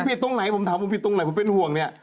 ผิดตรงไหนผมถามผมผิดตรงไหนผมเป็นห่วงเนี่ย